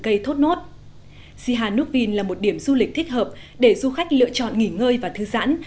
cây thốt nốt sihanokvin là một điểm du lịch thích hợp để du khách lựa chọn nghỉ ngơi và thư giãn